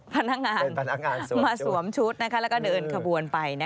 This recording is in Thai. พนักงานมาสวมชุดแล้วก็เดินขบวนไป